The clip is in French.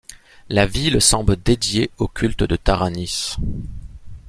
La ville semble dédiée au culte de Taranis.